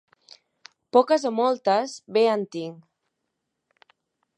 Poques o moltes, bé en tinc.